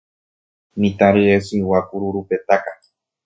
Mitã rye chigua kururu petáka